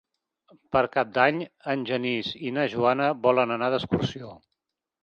Per Cap d'Any en Genís i na Joana volen anar d'excursió.